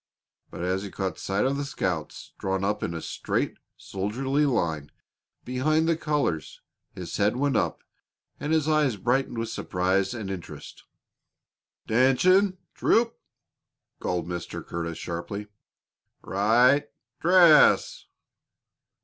But as he caught sight of the scouts drawn up in a straight, soldierly line behind the colors his head went up and his eyes brightened with surprise and interest. "'Tention, troop!" called Mr. Curtis, sharply. "Right dress!